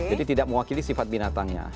jadi tidak mewakili sifat binatangnya